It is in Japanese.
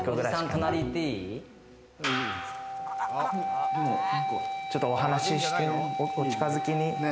隣行っちょっとお話して、お近づきに。